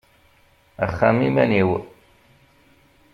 Axxam iman-iw;